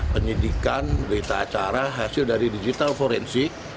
penyidikan berita acara hasil dari digital forensik